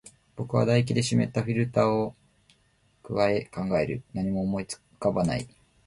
僕は唾液で湿ったフィルターを咥え、考える。何も思い浮かばない。